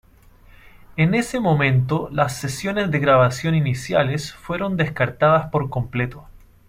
En ese momento las sesiones de grabación iniciales fueron descartadas por completo.